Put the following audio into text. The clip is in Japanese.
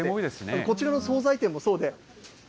こちらの総菜店もそうで。